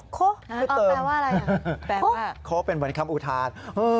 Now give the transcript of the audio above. คุดเติมก็แปลว่าโคเมือนคำอูทาน